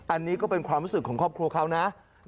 อันนี้ก็เป็นความรู้สึกของครอบครัวเขานะ